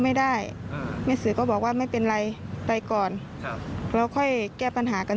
ไม่ได้อืมแม่สื่อก็บอกว่าไม่เป็นไรไปก่อนครับแล้วค่อยแก้ปัญหากัน